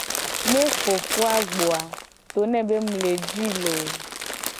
Ne fofo a gbo a to ne be mu le ji i loo.